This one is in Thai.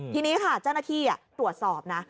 ทีนี้ค่ะจ้านาภีตรวจสอบนะ